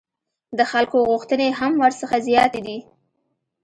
د خلکو غوښتنې هم ورڅخه زیاتې دي.